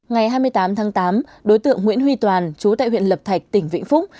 ngày hai mươi tám tháng tám đối tượng nguyễn huy toàn chú tại huyện lập thạch tỉnh vĩnh phúc